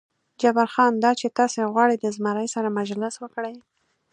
جبار خان: دا چې تاسې غواړئ د زمري سره مجلس وکړئ.